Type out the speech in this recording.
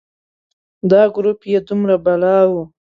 دا ګروپ یې دومره بلا و.